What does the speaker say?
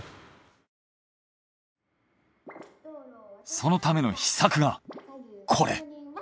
そのための秘策がこれ。